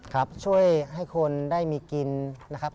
ครับช่วยให้คนได้มีกินนะครับ